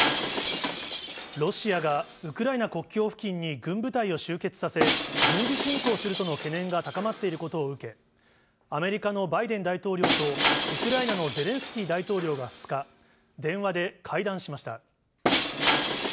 ロシアがウクライナ国境付近に軍部隊を集結させ、軍事侵攻するとの懸念が高まっていることを受け、アメリカのバイデン大統領とウクライナのゼレンスキー大統領が２日、電話で会談しました。